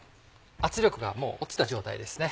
圧力がもう落ちた状態ですね。